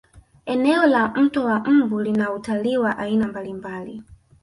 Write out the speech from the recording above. eneo la mto wa mbu lina utalii wa aina mbalimbali